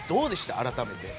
改めて。